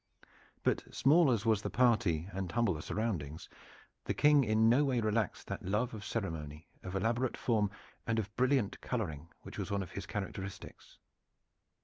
But small as was the party and humble the surroundings, the King in no way relaxed that love of ceremony, of elaborate form and of brilliant coloring which was one of his characteristics.